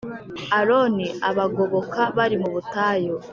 Aroni abagoboka bari mu butayu